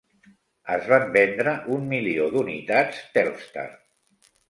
Es van vendre un milió d"unitats Telstar.